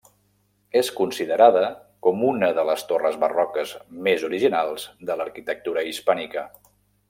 És considerada com una de les torres barroques més originals de l'arquitectura hispànica.